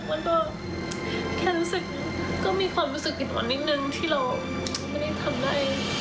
มันก็มีความรู้สึกอีกหน่อยนิดหนึ่งที่เราไม่ได้ทำได้